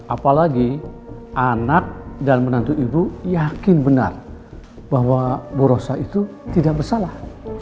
apalagi anak dan menantu ibu yakin benar bahwa borosa itu tidak bersalah